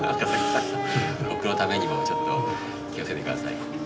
僕のためにもちょっと気をつけて下さい。